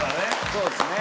そうですね